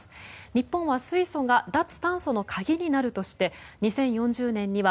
日本は水素が脱炭素の鍵になるとして２０４０年には